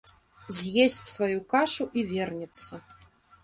З есць сваю кашу і вернецца.